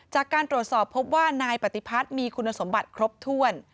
จากการตรวจสอบพบว่านายปฏิพัฒน์มีคุณสมบัติครบถ้วน